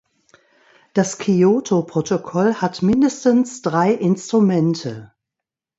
Das Kyoto-Protokoll hat mindestens drei Instrumente.